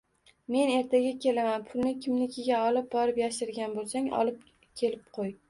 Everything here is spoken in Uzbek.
Men ertaga kelaman, pulni kimnikiga olib borib, yashirgan bo`lsang, olib kelib qo`y